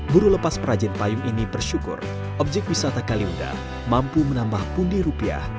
buru lepas perajin payung ini bersyukur objek wisata kaliunda mampu menambah pundi rupiah